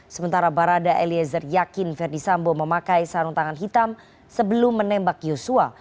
sementara barada eliezer yakin verdi sambo memakai sarung tangan hitam sebelum menembak yosua